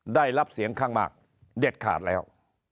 ได้รับเสียงข้างมากเด็ดขาดแล้ว